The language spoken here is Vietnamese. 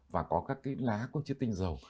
và có các cái lá có chiếc tinh dầu